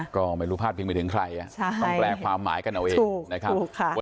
ก็ไม่รู้พลาดเพียงไปถึงใครต้องแปลความหมายกันเอาเอง